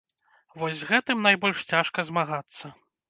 Вось з гэтым найбольш цяжка змагацца.